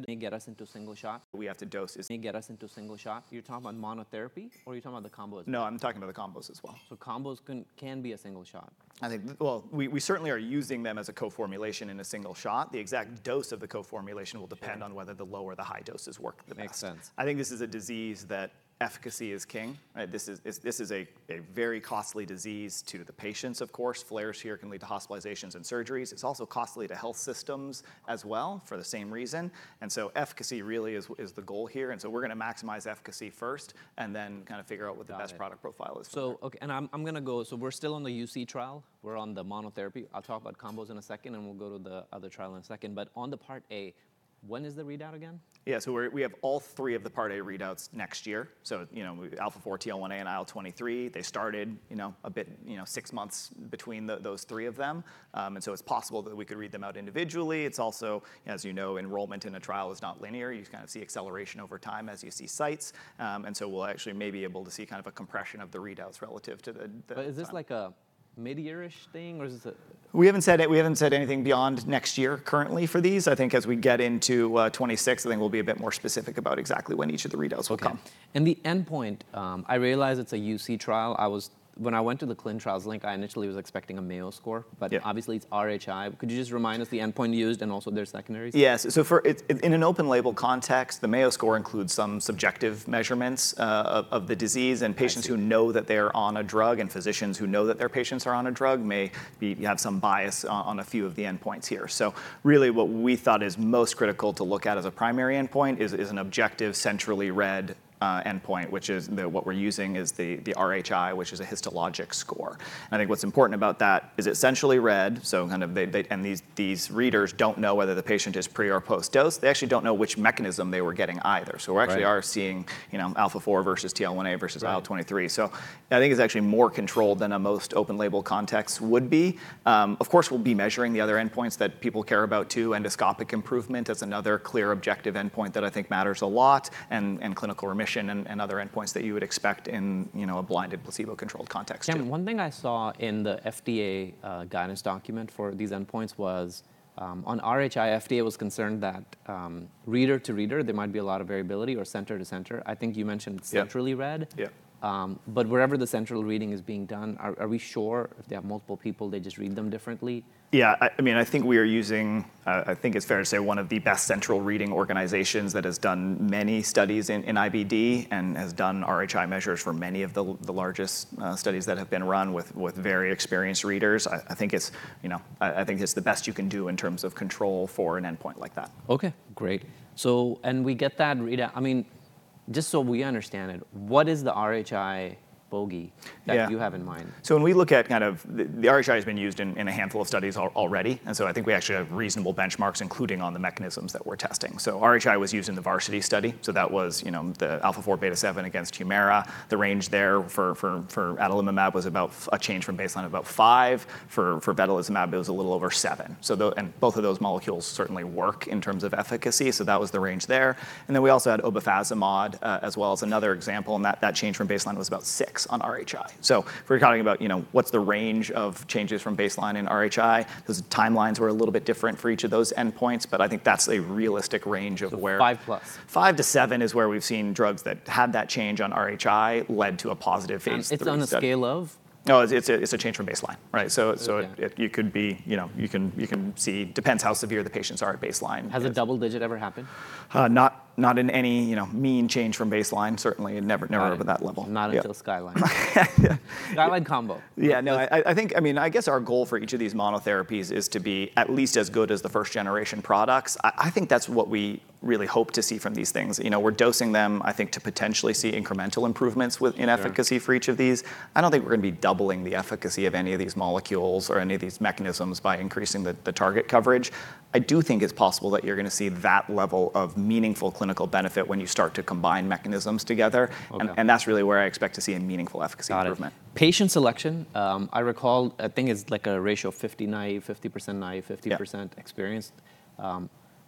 Can it get us into a single shot? We have to dose it. Can it get us into a single shot? You're talking about monotherapy, or are you talking about the combos? No, I'm talking about the combos as well. Combos can be a single shot? I think, well, we certainly are using them as a co-formulation in a single shot. The exact dose of the co-formulation will depend on whether the low or the high doses work the best. Makes sense. I think this is a disease that efficacy is king. This is a very costly disease to the patients, of course. Flares here can lead to hospitalizations and surgeries. It is also costly to health systems as well for the same reason. Efficacy really is the goal here. We are going to maximize efficacy first and then kind of figure out what the best product profile is for you. Okay, I'm going to go, so we're still on the UC trial. We're on the monotherapy. I'll talk about combos in a second, and we'll go to the other trial in a second. On the Part A, when is the readout again? Yeah, so we have all three of the Part A readouts next year. So, you know, alpha-4 TL1A, and IL-23. They started, you know, a bit, you know, six months between those three of them. And so it's possible that we could read them out individually. It's also, as you know, enrollment in a trial is not linear. You kind of see acceleration over time as you see sites. And so we'll actually maybe be able to see kind of a compression of the readouts relative to the. Is this like a mid-year-ish thing, or is this a? We haven't said anything beyond next year currently for these. I think as we get into 2026, I think we'll be a bit more specific about exactly when each of the readouts will come. The endpoint, I realize it's a UC trial. When I went to the Clinical Trials link, I initially was expecting a Mayo Score, but obviously it's RHI. Could you just remind us the endpoint used and also their secondaries? Yes. In an open label context, the Mayo Score includes some subjective measurements of the disease. Patients who know that they're on a drug and physicians who know that their patients are on a drug may have some bias on a few of the endpoints here. What we thought is most critical to look at as a primary endpoint is an objective, centrally read endpoint, which is what we're using, the RHI, which is a histologic score. I think what's important about that is it's centrally read, and these readers don't know whether the patient is pre or post-dose. They actually don't know which mechanism they were getting either. We actually are seeing, you know, alpha-4 versus TL1A versus IL-23. I think it's actually more controlled than most open label contexts would be. Of course, we'll be measuring the other endpoints that people care about too. Endoscopic improvement is another clear objective endpoint that I think matters a lot, and clinical remission and other endpoints that you would expect in a blinded placebo-controlled context. One thing I saw in the FDA guidance document for these endpoints was on RHI, FDA was concerned that reader to reader, there might be a lot of variability or center to center. I think you mentioned centrally read. Yeah. Wherever the central reading is being done, are we sure if they have multiple people, they just read them differently? Yeah, I mean, I think we are using, I think it's fair to say, one of the best central reading organizations that has done many studies in IBD and has done RHI measures for many of the largest studies that have been run with very experienced readers. I think it's, you know, I think it's the best you can do in terms of control for an endpoint like that. Okay, great. I mean, just so we understand it, what is the RHI bogey that you have in mind? When we look at kind of the RHI, it has been used in a handful of studies already. I think we actually have reasonable benchmarks, including on the mechanisms that we're testing. RHI was used in the VARSITY study. That was, you know, the alpha-4 beta-7 against Humira. The range there for adalimumab was about a change from baseline of about five. For vedolizumab, it was a little over seven. Both of those molecules certainly work in terms of efficacy. That was the range there. We also had obefazimod as well as another example, and that change from baseline was about six on RHI. If we're talking about, you know, what's the range of changes from baseline in RHI, those timelines were a little bit different for each of those endpoints, but I think that's a realistic range of where. Five plus. Five to seven is where we've seen drugs that have that change on RHI lead to a positive phase III time. It's on a scale of? No, it's a change from baseline, right? You could be, you know, you can see, depends how severe the patients are at baseline. Has a double digit ever happened? Not in any, you know, mean change from baseline, certainly never over that level. Not until Skyline. Yeah. Skyline combo. Yeah, no, I think, I mean, I guess our goal for each of these monotherapies is to be at least as good as the first generation products. I think that's what we really hope to see from these things. You know, we're dosing them, I think, to potentially see incremental improvements in efficacy for each of these. I don't think we're going to be doubling the efficacy of any of these molecules or any of these mechanisms by increasing the target coverage. I do think it's possible that you're going to see that level of meaningful clinical benefit when you start to combine mechanisms together. That's really where I expect to see a meaningful efficacy improvement. Got it. Patient selection, I recall a thing is like a ratio of 50% naive, 50% naïve, 50% experienced.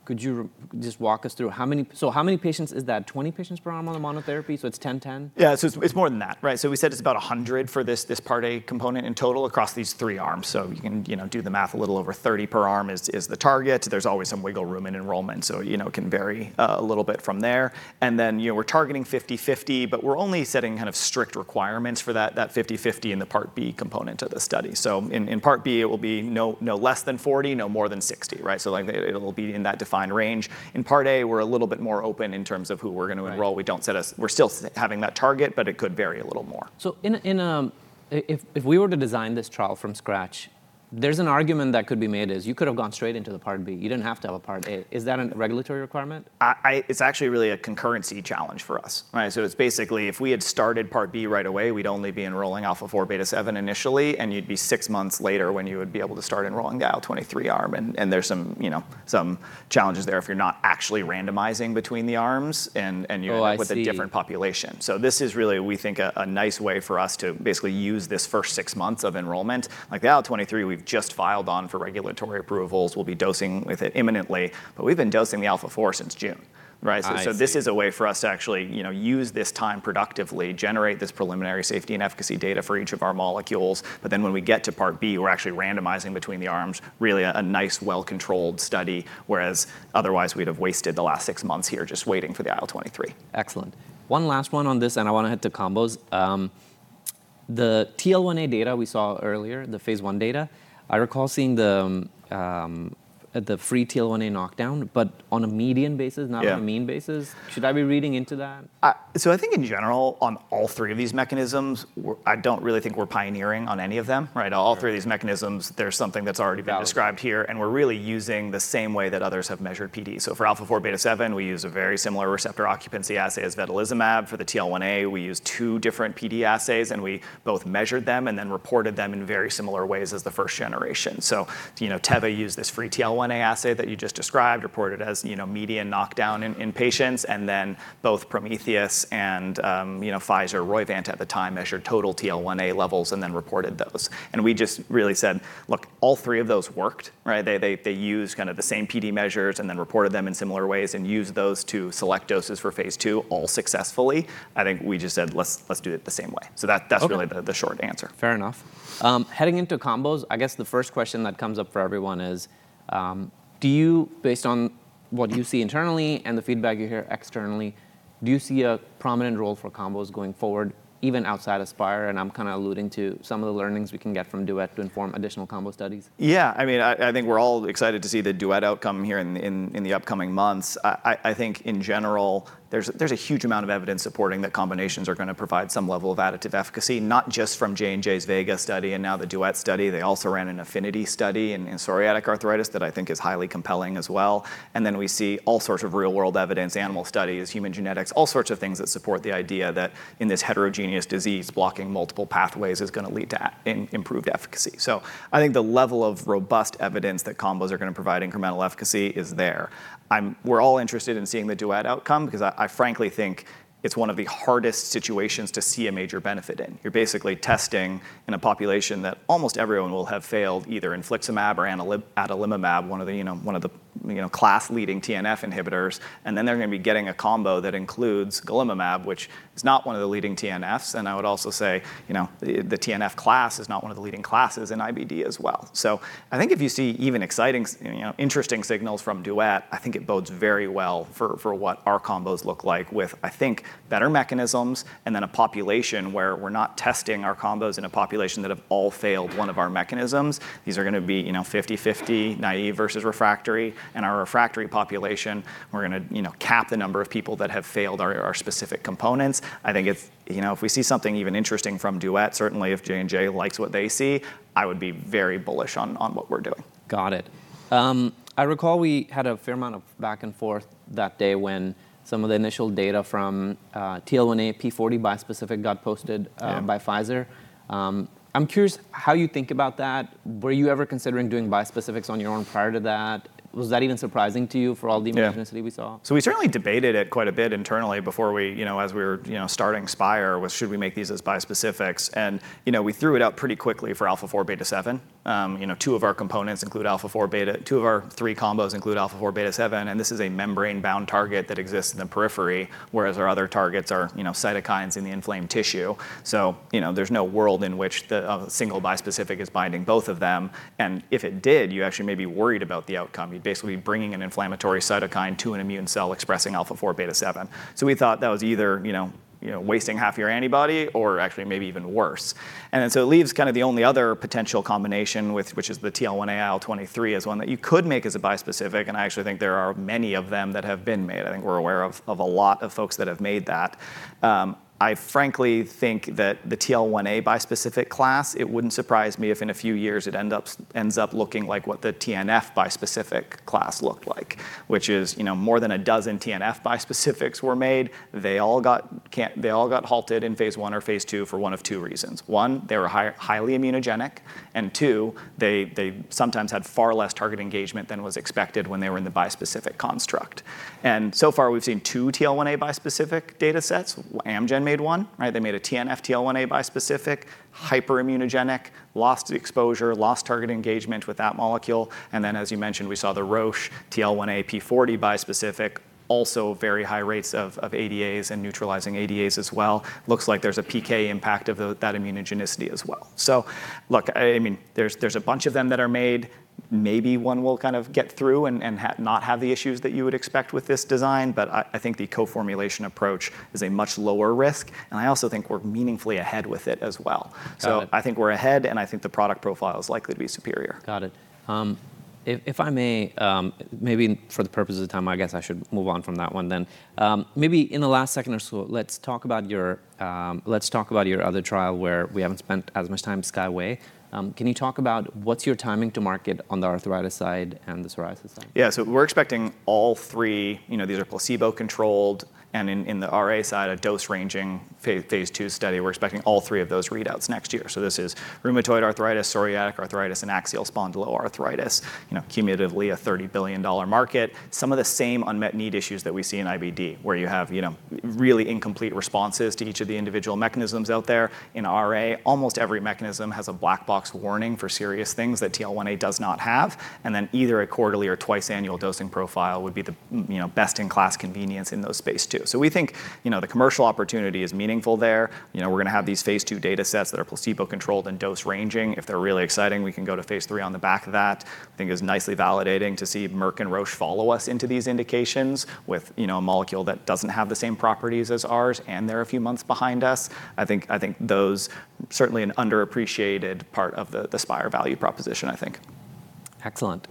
Could you just walk us through how many, so how many patients is that? Twenty patients per arm on the monotherapy? So it's 10/10? Yeah, so it's more than that, right? We said it's about 100 for this Part A component in total across these three arms. You can, you know, do the math, a little over 30 per arm is the target. There's always some wiggle room in enrollment. You know, it can vary a little bit from there. We're targeting 50/50, but we're only setting kind of strict requirements for that 50/50 in the Part B component of the study. In Part B, it will be no less than 40, no more than 60, right? It'll be in that defined range. In Part A, we're a little bit more open in terms of who we're going to enroll. We don't set us, we're still having that target, but it could vary a little more. If we were to design this trial from scratch, there's an argument that could be made is you could have gone straight into the Part B. You didn't have to have a Part A. Is that a regulatory requirement? It's actually really a concurrency challenge for us, right? It's basically if we had started Part B right away, we'd only be enrolling alpha-4 beta-7 initially, and you'd be six months later when you would be able to start enrolling the IL-23 arm. There's some, you know, some challenges there if you're not actually randomizing between the arms and you're with a different population. This is really, we think, a nice way for us to basically use this first six months of enrollment. Like the IL-23, we've just filed on for regulatory approvals. We'll be dosing with it imminently. We've been dosing the alpha-4 since June, right? This is a way for us to actually, you know, use this time productively, generate this preliminary safety and efficacy data for each of our molecules. When we get to Part B, we're actually randomizing between the arms, really a nice, well-controlled study, whereas otherwise we'd have wasted the last six months here just waiting for the IL-23. Excellent. One last one on this, and I want to head to combos. The TL1A data we saw earlier, the phase I data, I recall seeing the free TL1A knockdown, but on a median basis, not on a mean basis. Should I be reading into that? I think in general, on all three of these mechanisms, I don't really think we're pioneering on any of them, right? All three of these mechanisms, there's something that's already been described here. We're really using the same way that others have measured PD. For alpha-4 beta-7, we use a very similar receptor occupancy assay as vedolizumab. For the TL1A, we used two different PD assays, and we both measured them and then reported them in very similar ways as the first generation. You know, Teva used this free TL1A assay that you just described, reported as, you know, median knockdown in patients. Then both Prometheus and, you know, Pfizer, Roivant at the time measured total TL1A levels and then reported those. We just really said, look, all three of those worked, right? They used kind of the same PD measures and then reported them in similar ways and used those to select doses for phase II all successfully. I think we just said, let's do it the same way. That's really the short answer. Fair enough. Heading into combos, I guess the first question that comes up for everyone is, do you, based on what you see internally and the feedback you hear externally, do you see a prominent role for combos going forward, even outside Spyre? I'm kind of alluding to some of the learnings we can get from Duet to inform additional combo studies. Yeah, I mean, I think we're all excited to see the DUET outcome here in the upcoming months. I think in general, there's a huge amount of evidence supporting that combinations are going to provide some level of additive efficacy, not just from J&J's VEGA study and now the DUET study. They also ran an AFFINITY study in psoriatic arthritis that I think is highly compelling as well. We see all sorts of real-world evidence, animal studies, human genetics, all sorts of things that support the idea that in this heterogeneous disease, blocking multiple pathways is going to lead to improved efficacy. I think the level of robust evidence that combos are going to provide incremental efficacy is there. We're all interested in seeing the DUET outcome because I frankly think it's one of the hardest situations to see a major benefit in. You're basically testing in a population that almost everyone will have failed either infliximab or adalimumab, one of the, you know, class-leading TNF inhibitors. They're going to be getting a combo that includes golimumab, which is not one of the leading TNFs. I would also say, you know, the TNF class is not one of the leading classes in IBD as well. I think if you see even exciting, you know, interesting signals from DUET, I think it bodes very well for what our combos look like with, I think, better mechanisms and then a population where we're not testing our combos in a population that have all failed one of our mechanisms. These are going to be, you know, 50/50, naïve versus refractory. Our refractory population, we're going to, you know, cap the number of people that have failed our specific components. I think it's, you know, if we see something even interesting from DUET, certainly if J&J likes what they see, I would be very bullish on what we're doing. Got it. I recall we had a fair amount of back and forth that day when some of the initial data from TL1A p40 bispecific got posted by Pfizer. I'm curious how you think about that. Were you ever considering doing bispecifics on your own prior to that? Was that even surprising to you for all the inconsistency we saw? Yeah. We certainly debated it quite a bit internally before we, you know, as we were, you know, starting Spyre, should we make these as bispecifics? We threw it out pretty quickly for alpha-4 beta-7. Two of our components include alpha-4 beta, two of our three combos include alpha-4 beta-7. This is a membrane-bound target that exists in the periphery, whereas our other targets are, you know, cytokines in the inflamed tissue. You know, there is no world in which a single bispecific is binding both of them. If it did, you actually may be worried about the outcome. You would basically be bringing an inflammatory cytokine to an immune cell expressing alpha-4 beta-7. We thought that was either, you know, wasting half your antibody or actually maybe even worse. It leaves kind of the only other potential combination, which is the TL1A IL-23, as one that you could make as a bispecific. I actually think there are many of them that have been made. I think we're aware of a lot of folks that have made that. I frankly think that the TL1A bispecific class, it wouldn't surprise me if in a few years it ends up looking like what the TNF bispecific class looked like, which is, you know, more than a dozen TNF bispecifics were made. They all got halted in phase I or phase II for one of two reasons. One, they were highly immunogenic. Two, they sometimes had far less target engagement than was expected when they were in the bispecific construct. So far we've seen two TL1A bispecific data sets. Amgen made one, right? They made a TNF TL1A bispecific, hyperimmunogenic, lost exposure, lost target engagement with that molecule. As you mentioned, we saw the Roche TL1A p40 bispecific, also very high rates of ADAs and neutralizing ADAs as well. Looks like there's a PK impact of that immunogenicity as well. Look, I mean, there's a bunch of them that are made. Maybe one will kind of get through and not have the issues that you would expect with this design, but I think the co-formulation approach is a much lower risk. I also think we're meaningfully ahead with it as well. I think we're ahead, and I think the product profile is likely to be superior. Got it. If I may, maybe for the purpose of time, I guess I should move on from that one then. Maybe in the last second or so, let's talk about your, let's talk about your other trial where we haven't spent as much time, SKYWAY. Can you talk about what's your timing to market on the arthritis side and the psoriasis side? Yeah, so we're expecting all three, you know, these are placebo-controlled. In the RA side, a dose-ranging phase II study, we're expecting all three of those readouts next year. This is rheumatoid arthritis, psoriatic arthritis, and axial spondyloarthritis, you know, cumulatively a $30 billion market. Some of the same unmet need issues that we see in IBD, where you have, you know, really incomplete responses to each of the individual mechanisms out there. In RA, almost every mechanism has a black box warning for serious things that TL1A does not have. Either a quarterly or twice-annual dosing profile would be the, you know, best-in-class convenience in those space too. We think, you know, the commercial opportunity is meaningful there. You know, we're going to have these phase II data sets that are placebo-controlled and dose-ranging. If they're really exciting, we can go to phase III on the back of that. I think it's nicely validating to see Merck and Roche follow us into these indications with, you know, a molecule that doesn't have the same properties as ours and they're a few months behind us. I think those certainly are an underappreciated part of the Spyre value proposition, I think. Excellent.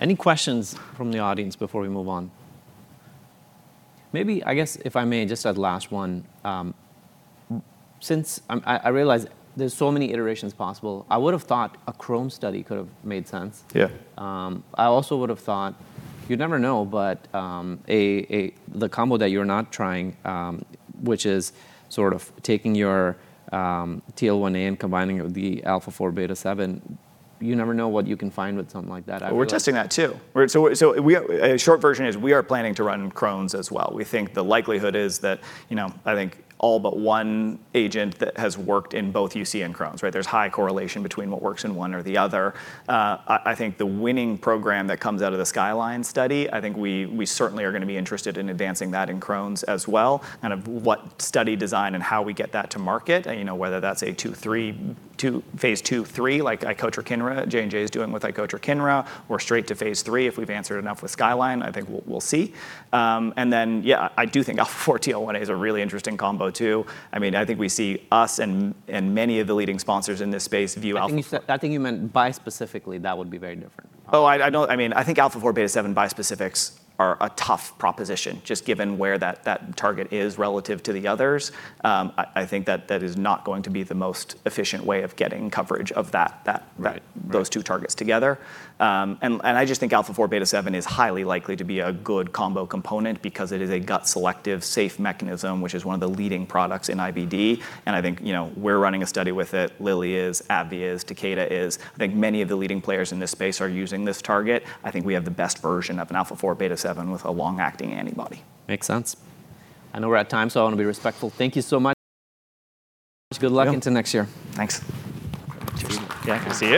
Any questions from the audience before we move on? Maybe, I guess, if I may, just a last one. Since I realize there's so many iterations possible, I would have thought a Crohn's study could have made sense. Yeah. I also would have thought, you never know, but the combo that you're not trying, which is sort of taking your TL1A and combining it with the alpha-4 beta-7, you never know what you can find with something like that. We're testing that too. A short version is we are planning to run Crohn's as well. We think the likelihood is that, you know, I think all but one agent that has worked in both UC and Crohn's, right? There's high correlation between what works in one or the other. I think the winning program that comes out of the SKYLINE study, I think we certainly are going to be interested in advancing that in Crohn's as well. Kind of what study design and how we get that to market, you know, whether that's a phase II, III, like icotrokinra J&J is doing with icotrokinra, or straight to phase III if we've answered enough with SKYLINE, I think we'll see. I do think alpha-4 TL1A is a really interesting combo too. I mean, I think we see us and many of the leading sponsors in this space view alpha-4. I think you meant bispecifically, that would be very different. Oh, I don't, I mean, I think alpha-4 beta-7 bispecifics are a tough proposition just given where that target is relative to the others. I think that that is not going to be the most efficient way of getting coverage of those two targets together. I just think alpha-4 beta-7 is highly likely to be a good combo component because it is a gut-selective safe mechanism, which is one of the leading products in IBD. I think, you know, we're running a study with it. Lilly is, AbbVie is, Takeda is. I think many of the leading players in this space are using this target. I think we have the best version of an alpha-4 beta-7 with a long-acting antibody. Makes sense. I know we're at time, so I want to be respectful. Thank you so much. Good luck into next year. Thanks. Yeah.